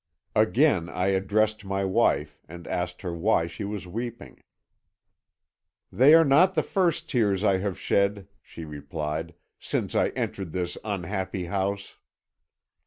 Again I addressed my wife, and asked her why she was weeping. "'They are not the first tears I have shed,' she replied, 'since I entered this unhappy house.'